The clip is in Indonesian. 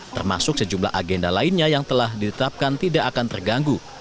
termasuk sejumlah agenda lainnya yang telah ditetapkan tidak akan terganggu